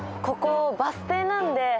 ここバス停なんで。